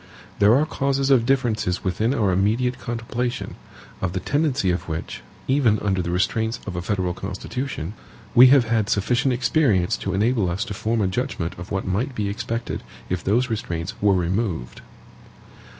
There are causes of differences within our immediate contemplation, of the tendency of which, even under the restraints of a federal constitution, we have had sufficient experience to enable us to form a judgment of what might be expected if those restraints were removed.